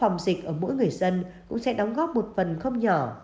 người dân cũng sẽ đóng góp một phần không nhỏ